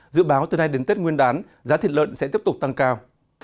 dự báo từ nay đến tết nguyên đán giá thịt lợn sẽ tiếp tục tăng cao